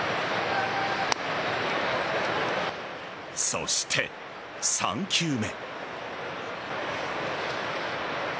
そして３球目。